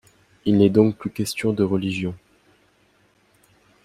Il n'est donc plus question de religion.